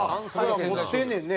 持ってんねんね。